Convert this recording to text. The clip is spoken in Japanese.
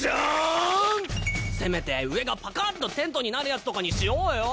せめて上がパカッとテントになるやつとかにしようよ。